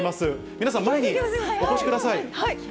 皆さん、前にお越しください。